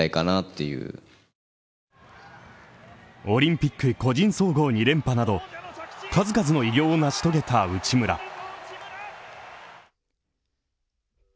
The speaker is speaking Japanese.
オリンピック個人総合２連覇など数々の偉業を成し遂げた内村。